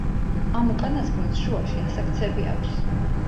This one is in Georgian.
ამ უკანასკნელს შუაში ასაქცევი აქვს.